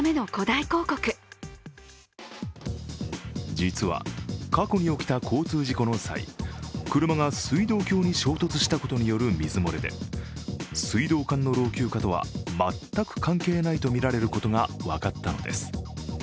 実は過去に起きた交通事故の際車が水道橋に衝突したことによる水漏れで水道管の老朽化とは全く関係ないとみられることが分かったのです。